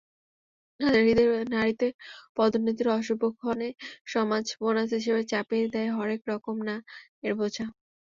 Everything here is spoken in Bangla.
নারীতে পদোন্নতির অশুভক্ষণে সমাজ বোনাস হিসেবে চাপিয়ে দেয় হরেক রকম না-এর বোঝা।